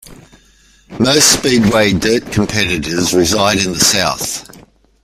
Most speedway dirt competitors reside in the South.